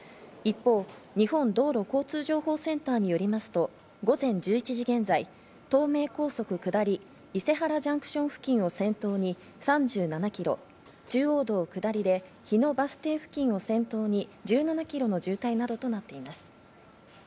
一方、日本道路交通情報センターによりますと午前１１時現在、東名高速下り、伊勢原ジャンクション付近を先頭に３７ｋｍ、中央道下りで日野バス停付近を先頭に１７ｋｍの渋滞などとなっています。